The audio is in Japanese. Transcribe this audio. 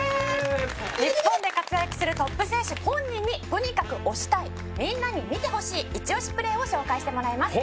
日本で活躍するトップ選手本人にとにかく推したいみんなに見てほしいイチ推しプレーを紹介してもらいます。